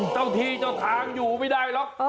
เจ้าที่เจ้าทางอยู่ไม่ได้หรอก